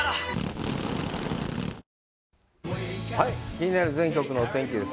気になる全国のお天気です。